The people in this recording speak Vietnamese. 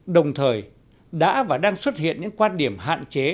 đồng thời đã và đang xuất hiện những quan điểm hạn chế